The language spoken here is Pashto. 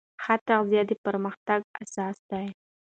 ښه تغذیه د پرمختګ اساس ده.